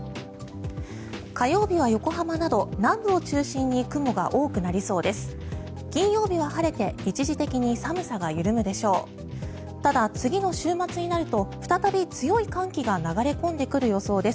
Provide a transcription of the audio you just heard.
火曜日は横浜など南部を中心に雲が多くなりそうです。